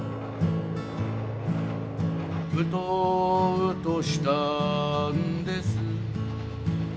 「うとうとしたんです」